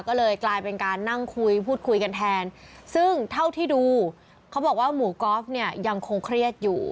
ก็เลยกลายเป็นการนั่งคุยพูดคุยกันแทนซึ่งเท่าที่ดูเขาบอกว่าหมู่กอล์ฟเนี่ยยังคงเครียดอยู่